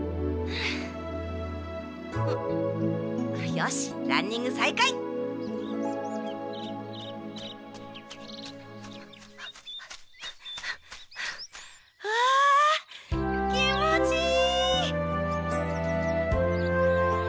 よしランニング再開！わ気持ちいい！